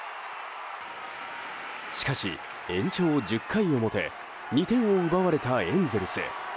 しかし、延長１０回表２点を奪われたエンゼルス。